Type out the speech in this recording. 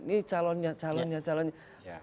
ini calonnya calonnya calonnya